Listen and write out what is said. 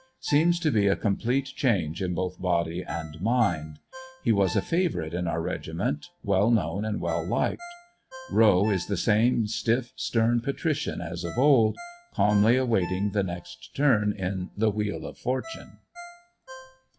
Seems to be a com plete change in both body and mind. He was a favorite in our regiment, well known and well liked. Howe is the same stiff, stern patrican as of old, calmly awaiting the next turn in the wheel of fortune.